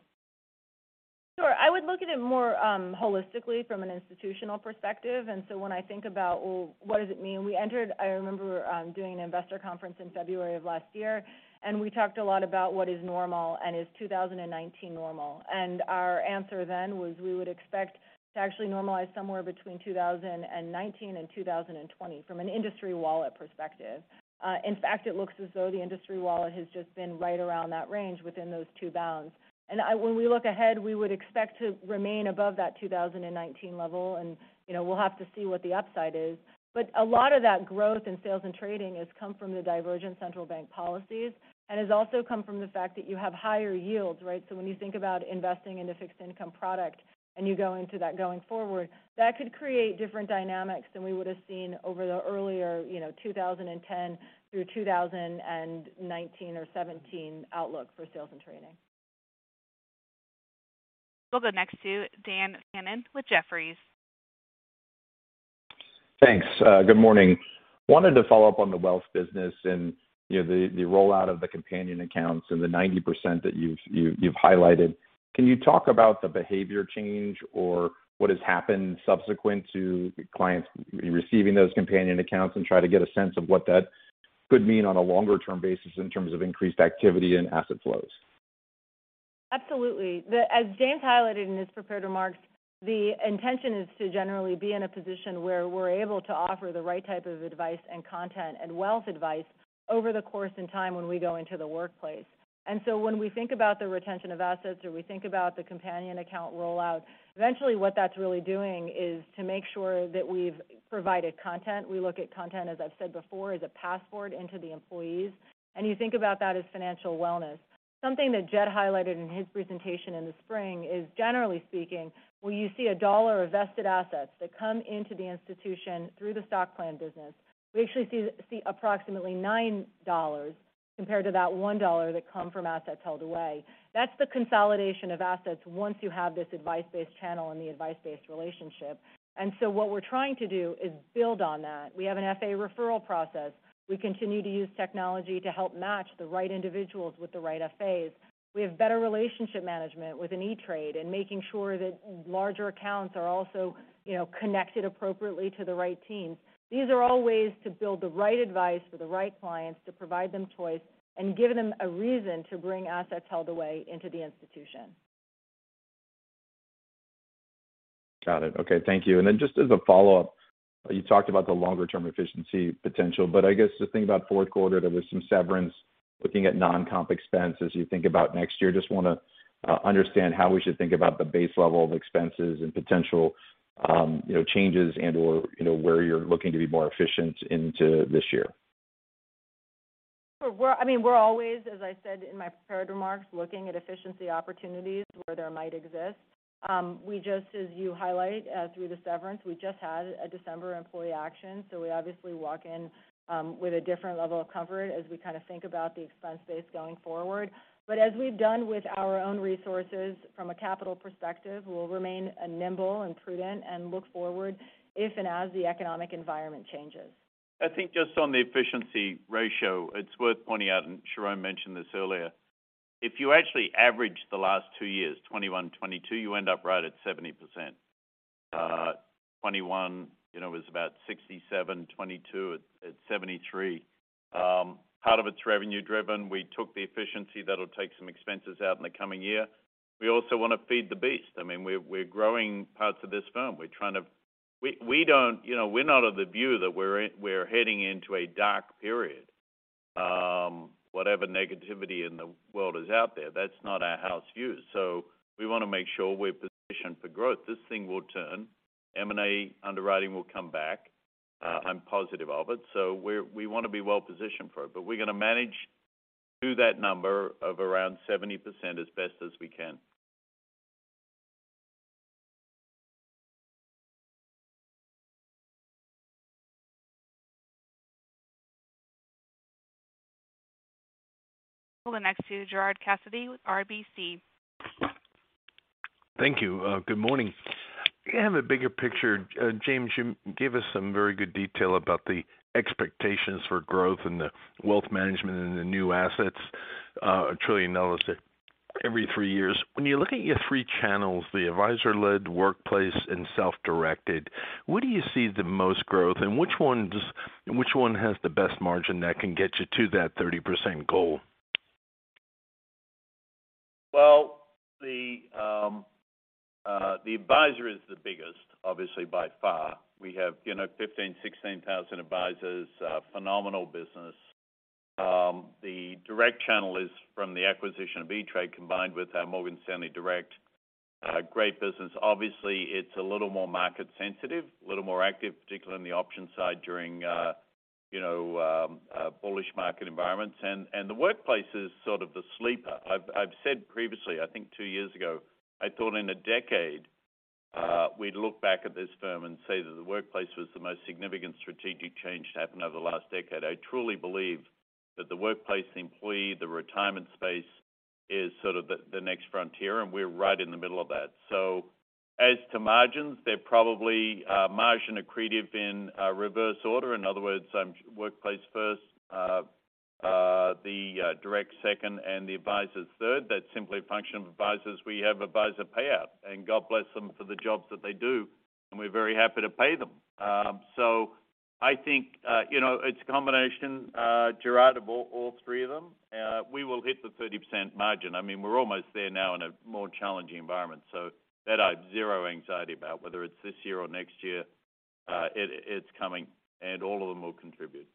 Sure. I would look at it more, holistically from an institutional perspective. When I think about, well, what does it mean? I remember doing an investor conference in February of last year, and we talked a lot about what is normal and is 2019 normal. Our answer then was we would expect to actually normalize somewhere between 2019 and 2020 from an industry wallet perspective. In fact, it looks as though the industry wallet has just been right around that range within those two bounds. When we look ahead, we would expect to remain above that 2019 level, and, you know, we'll have to see what the upside is. A lot of that growth in sales and trading has come from the divergent central bank policies and has also come from the fact that you have higher yields, right? When you think about investing in a fixed income product and you go into that going forward, that could create different dynamics than we would have seen over the earlier, you know, 2010 through 2019 or 2017 outlook for sales and trading. We'll go next to Dan Fannon with Jefferies. Thanks. Good morning. Wanted to follow up on the wealth business and, you know, the rollout of the companion accounts and the 90% that you've, you've highlighted. Can you talk about the behavior change or what has happened subsequent to clients receiving those companion accounts and try to get a sense of what that could mean on a longer-term basis in terms of increased activity and asset flows? Absolutely. As James highlighted in his prepared remarks, the intention is to generally be in a position where we're able to offer the right type of advice and content and wealth advice over the course and time when we go into the workplace. When we think about the retention of assets or we think about the companion account rollout, eventually what that's really doing is to make sure that we've provided content. We look at content, as I've said before, as a passport into the employees, and you think about that as financial wellness. Something that Jed highlighted in his presentation in the spring is generally speaking, where you see $1 of vested assets that come into the institution through the stock plan business, we actually see approximately $9 compared to that $1 that come from assets held away. That's the consolidation of assets once you have this advice-based channel and the advice-based relationship. What we're trying to do is build on that. We have an FA referral process. We continue to use technology to help match the right individuals with the right FAs. We have better relationship management with an E*TRADE and making sure that larger accounts are also, you know, connected appropriately to the right teams. These are all ways to build the right advice for the right clients, to provide them choice and give them a reason to bring assets held away into the institution. Got it. Okay. Thank you. Then just as a follow-up, you talked about the longer-term efficiency potential, but I guess the thing about fourth quarter, there was some severance. Looking at non-comp expense as you think about next year, just wanna understand how we should think about the base level of expenses and potential, you know, changes and/or, you know, where you're looking to be more efficient into this year? I mean, we're always, as I said in my prepared remarks, looking at efficiency opportunities where there might exist. We just, as you highlight, through the severance, we just had a December employee action, so we obviously walk in, with a different level of comfort as we kinda think about the expense base going forward. As we've done with our own resources from a capital perspective, we'll remain, nimble and prudent and look forward if and as the economic environment changes. I think just on the efficiency ratio, it's worth pointing out, and Sharon mentioned this earlier. If you actually average the last two years, 2021, 2022, you end up right at 70%. 2021, you know, was about 67%. 2022 at 73%. Part of it's revenue driven. We took the efficiency that'll take some expenses out in the coming year. We also wanna feed the beast. I mean, we're growing parts of this firm. We, we don't, you know, we're not of the view that we're heading into a dark period. Whatever negativity in the world is out there, that's not our house view. We wanna make sure we're positioned for growth. This thing will turn. M&A underwriting will come back. I'm positive of it. We wanna be well-positioned for it. We're going to manage through that number of around 70% as best as we can. We'll go next to Gerard Cassidy with RBC. Thank you. Good morning. I have a bigger picture. James, you gave us some very good detail about the expectations for growth in the wealth management and the new assets, $1 trillion every three years. When you look at your three channels, the advisor-led, workplace, and self-directed, where do you see the most growth, and which one has the best margin that can get you to that 30% goal? Well, the advisor is the biggest, obviously, by far. We have, you know, 15,000, 16,000 advisors, phenomenal business. The direct channel is from the acquisition of E*TRADE combined with our Morgan Stanley Direct, great business. Obviously, it's a little more market sensitive, a little more active, particularly in the options side during, you know, bullish market environments. The workplace is sort of the sleeper. I've said previously, I think two years ago, I thought in a decade, we'd look back at this firm and say that the workplace was the most significant strategic change to happen over the last decade. I truly believe that the workplace employee, the retirement space is sort of the next frontier, and we're right in the middle of that. As to margins, they're probably margin accretive in reverse order. In other words, workplace first, the direct second and the advisors third. That's simply a function of advisors. We have advisor payout, and God bless them for the jobs that they do, and we're very happy to pay them. I think, you know, it's a combination, Gerard, of all three of them. We will hit the 30% margin. I mean, we're almost there now in a more challenging environment. That I have zero anxiety about whether it's this year or next year, it's coming and all of them will contribute.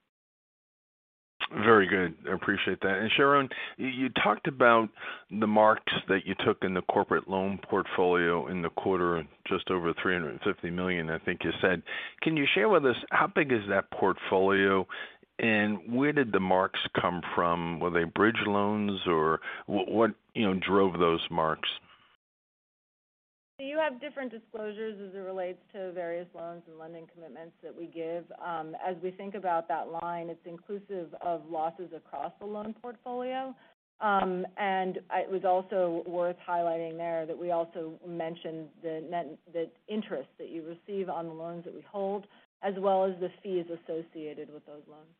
Very good. I appreciate that. Sharon, you talked about the marks that you took in the corporate loan portfolio in the quarter, just over $350 million, I think you said. Can you share with us how big is that portfolio and where did the marks come from? Were they bridge loans or what, you know, drove those marks? You have different disclosures as it relates to various loans and lending commitments that we give. As we think about that line, it's inclusive of losses across the loan portfolio. It was also worth highlighting there that we also mentioned the interest that you receive on the loans that we hold, as well as the fees associated with those loans.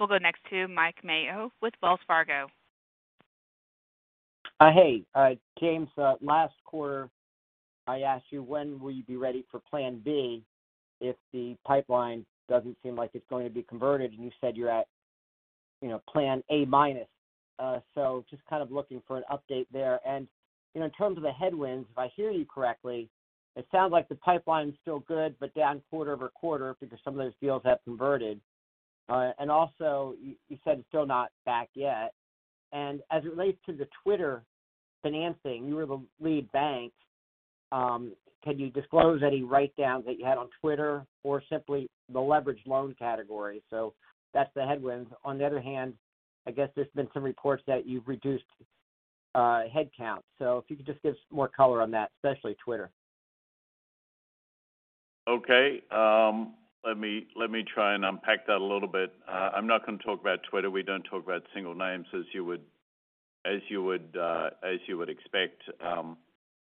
We'll go next to Mike Mayo with Wells Fargo. Hey, James. Last quarter, I asked you when you will be ready for plan B if the pipeline doesn't seem like it's going to be converted. You said you're at, you know, plan A minus. Just kind of looking for an update there. In terms of the headwinds, if I hear you correctly, it sounds like the pipeline's still good, but down quarter-over-quarter because some of those deals have converted. Also, you said it's still not back yet. As it relates to the Twitter financing, you were the lead bank. Can you disclose any writedowns that you had on Twitter or simply the leveraged loan category? That's the headwinds. On the other hand, I guess there's been some reports that you've reduced headcount. If you could just give more color on that, especially Twitter. Okay. Let me try and unpack that a little bit. I'm not gonna talk about Twitter. We don't talk about single names as you would expect.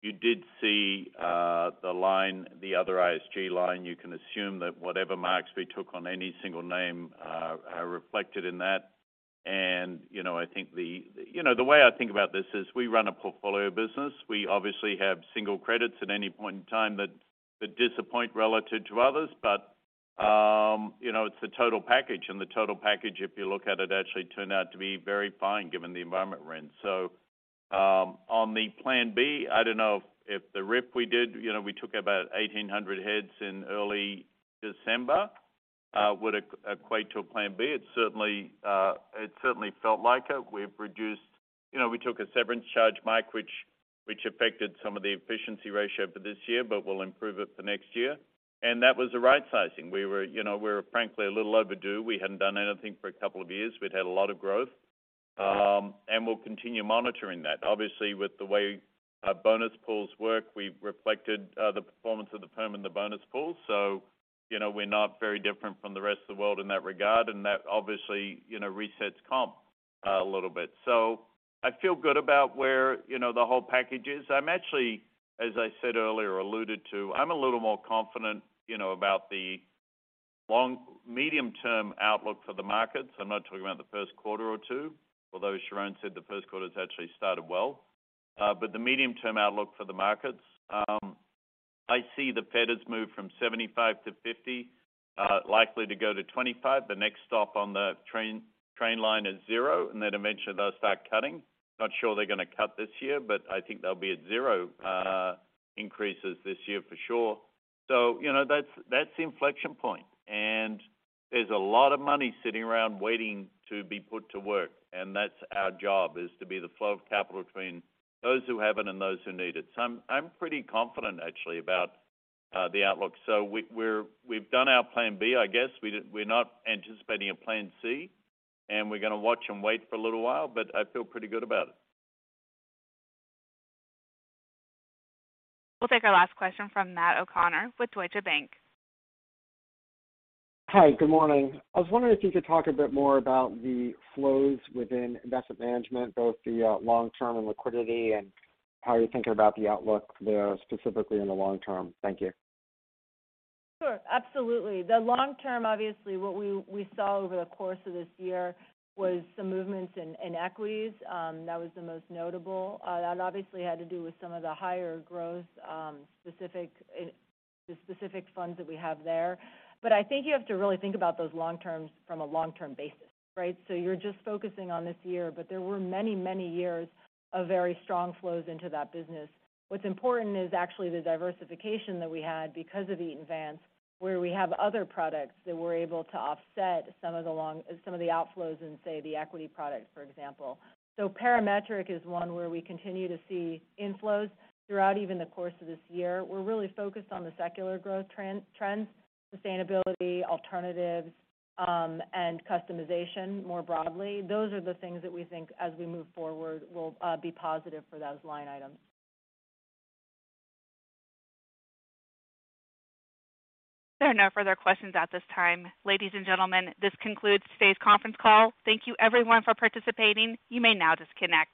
You did see the line, the other ISG line. You can assume that whatever marks we took on any single name are reflected in that. You know, I think the way I think about this is we run a portfolio business. We obviously have single credits at any point in time that disappoint relative to others. You know, it's the total package. The total package, if you look at it, actually turned out to be very fine given the environment we're in. On the plan B, I don't know if the RIF we did, you know, we took about 1,800 heads in early December, would equate to a plan B. It certainly, it certainly felt like it. We've reduced... You know, we took a severance charge, Mike, which affected some of the efficiency ratio for this year but will improve it for next year. That was the right sizing. We were, you know, we were frankly a little overdue. We hadn't done anything for a couple of years. We'd had a lot of growth, and we'll continue monitoring that. With the way our bonus pools work, we've reflected the performance of the firm in the bonus pool. You know, we're not very different from the rest of the world in that regard, and that obviously, you know, resets comp a little bit. I feel good about where, you know, the whole package is. I'm actually, as I said earlier, alluded to, I'm a little more confident, you know, about the long, medium-term outlook for the markets. I'm not talking about the first quarter or two, although Sharon said the first quarter's actually started well. But the medium-term outlook for the markets, I see the Fed has moved from 75 to 50, likely to go to 25. The next stop on the train line is zero, eventually they'll start cutting. Not sure they're gonna cut this year, but I think they'll be at zero increases this year for sure. You know, that's the inflection point. There's a lot of money sitting around waiting to be put to work, and that's our job, is to be the flow of capital between those who have it and those who need it. I'm pretty confident actually about the outlook. We, we're, we've done our plan B, I guess. We're not anticipating a plan C, and we're gonna watch and wait for a little while, but I feel pretty good about it. We'll take our last question from Matt O'Connor with Deutsche Bank. Hi, good morning. I was wondering if you could talk a bit more about the flows within Investment Management, both the long term and liquidity, and how you're thinking about the outlook there, specifically in the long term? Thank you. Sure. Absolutely. The long term, obviously, what we saw over the course of this year was some movements in equities. That was the most notable. That obviously had to do with some of the higher growth, specific, the specific funds that we have there. I think you have to really think about those long terms from a long-term basis, right? You're just focusing on this year, but there were many, many years of very strong flows into that business. What's important is actually the diversification that we had because of Eaton Vance, where we have other products that were able to offset some of the outflows in, say, the equity products, for example. Parametric is one where we continue to see inflows throughout even the course of this year. We're really focused on the secular growth trends, sustainability, alternatives, and customization more broadly. Those are the things that we think as we move forward will be positive for those line items. There are no further questions at this time. Ladies and gentlemen, this concludes today's conference call. Thank you everyone for participating. You may now disconnect.